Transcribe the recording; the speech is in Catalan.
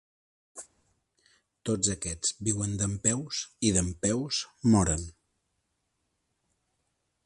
Tots aquests viuen dempeus i dempeus moren.